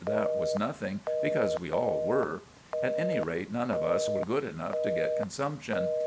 That was nothing, because we all were. At any rate, none of us were good enough to get consumption.